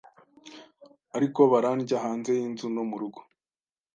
ariko barandya hanze yinzu no murugo